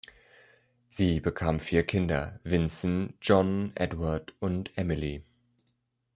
Sie bekam vier Kinder: Vinson, John, Edward und Emily.